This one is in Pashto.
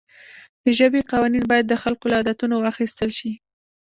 د ژبې قوانین باید د خلکو له عادتونو واخیستل شي.